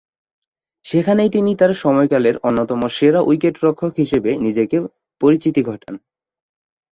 সেখানেই তিনি তার সময়কালের অন্যতম সেরা উইকেট-রক্ষক হিসেবে নিজেকে পরিচিতি ঘটান।